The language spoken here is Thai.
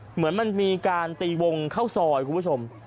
เหมือนมันมีการตีวงเข้าซอยคุณผู้ชม